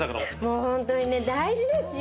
もうホントにね大事ですよ！